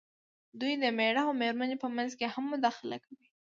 دوی د مېړۀ او مېرمنې په منځ کې هم مداخله کوي.